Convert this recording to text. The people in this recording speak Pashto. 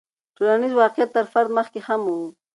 ټولنیز واقعیت تر فرد مخکې هم و.